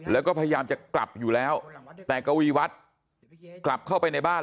แล้วก็พยายามจะกลับอยู่แล้วแต่กวีวัฒน์กลับเข้าไปในบ้าน